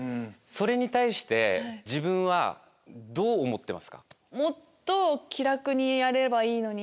それに対して自分はどう思ってますか？